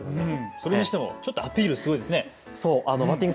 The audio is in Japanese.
それにしてもアピールすごいですね。